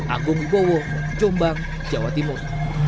agung wibowo jombang jawa timur